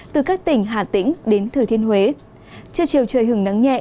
từ các tỉnh hà tĩnh đến thừa thiên huế trưa chiều trời hưởng nắng nhẹ